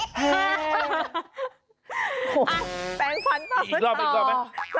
อ่ะแปลงควันต่ออีกรอบอีกรอบไหม